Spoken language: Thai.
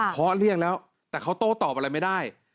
เพราะเลี่ยงแล้วแต่เขาโต้ตอบอะไรไม่ได้